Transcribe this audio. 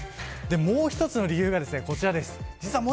もう一つの理由がこちらです。